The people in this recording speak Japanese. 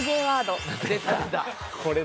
Ｊワード」。